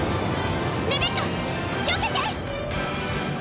レベッカよけて！